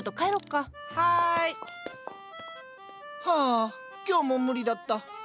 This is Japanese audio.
ハァ今日も無理だった。